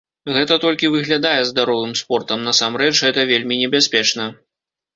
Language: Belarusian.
Гэта толькі выглядае здаровым спортам, насамрэч, гэта вельмі небяспечна.